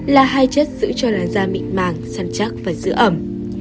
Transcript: là hai chất giữ cho làn da mịt màng săn chắc và giữ ẩm